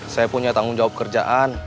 saya punya tanggung jawab kerjaan